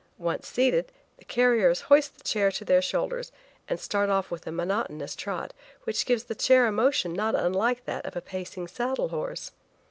Once seated, the carriers hoist the chair to their shoulders and start off with a monotonous trot, which gives the chair a motion not unlike that of a pacing saddle horse.